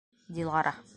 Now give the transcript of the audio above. Дилара